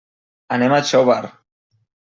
Anem a Xóvar.